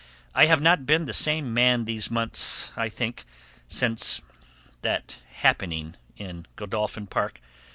I have not been the same man these months, I think, since that happening in Godolphin Park.